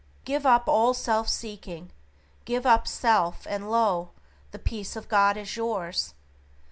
Give up all self seeking; give up self, and lo! the Peace of God is yours!